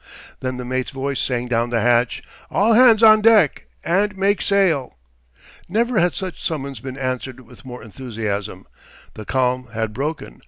Then the mate's voice sang down the hatch, "All hands on deck and make sail!" Never had such summons been answered with more enthusiasm. The calm had broken.